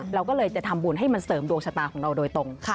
เราก็เลยจะทำบุญให้มันเสริมดวงชะตาของเราโดยตรง